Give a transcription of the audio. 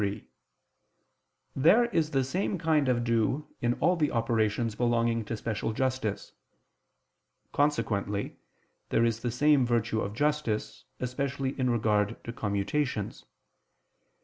3: There is the same kind of due in all the operations belonging to special justice. Consequently, there is the same virtue of justice, especially in regard to commutations.